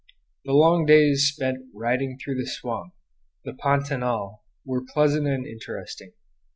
The long days spent riding through the swamp, the "pantanal," were pleasant and interesting.